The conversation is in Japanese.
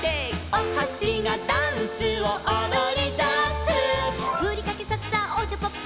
「おはしがダンスをおどりだす」「ふりかけさっさおちゃぱっぱ」